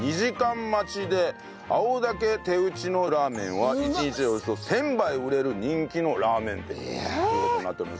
青竹手打ちのラーメンは１日でおよそ１０００杯売れる人気のラーメン店という事になっております。